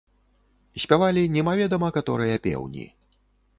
Спявалі немаведама каторыя пеўні.